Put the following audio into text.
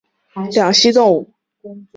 喜山蟾蜍为蟾蜍科蟾蜍属的两栖动物。